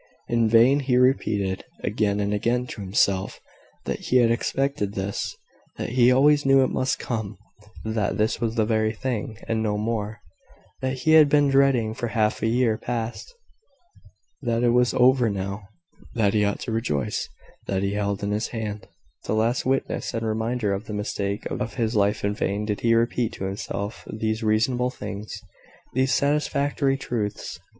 In vain he repeated, again and again, to himself, that he had expected this that he always knew it must come that this was the very thing, and no more, that he had been dreading for half a year past that it was over now that he ought to rejoice that he held in his hand the last witness and reminder of the mistake of his life. In vain did he repeat to himself these reasonable things these satisfactory truths.